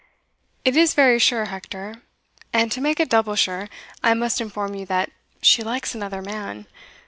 "It is very sure, Hector; and to make it double sure, I must inform you that she likes another man.